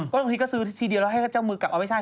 ที่นี่ก็ซื้อทีเดียวแล้วให้เจ้ามือกลับเอาไว้ท่าน